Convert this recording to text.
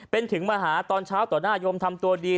เป็นถึงมาหาตอนเช้าต่อหน้าโยมทำตัวดี